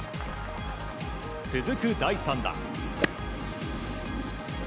続く第３打。